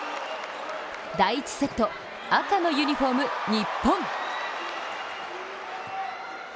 第１セット、赤のユニフォーム、日本。